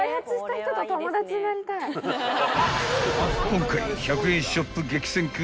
［今回１００円ショップ激戦区